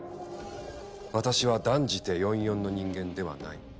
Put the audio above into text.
私は断じて４４の人間ではない。